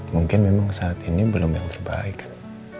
mungkin memang saat ini belum yang terbaik kan